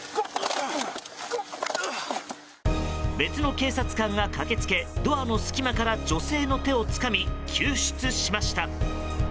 別の警察官が駆け付けドアの隙間から女性の手をつかみ救出しました。